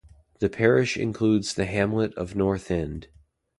The parish includes the hamlet of North End.